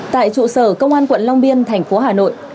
tại trụ sở công an quận long biên thành phố hà nội